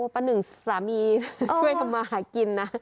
ป้าหนึ่งสามีช่วยทำมาหากินนะ